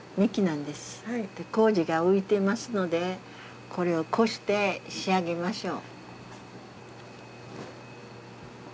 麹が浮いてますのでこれをこして仕上げましょう。